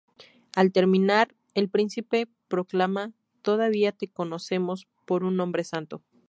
Al terminar, el príncipe proclama: "Todavía te conocemos por un hombre santo".